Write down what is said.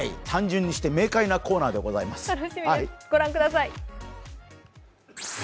単純にして明快なコーナーでございます。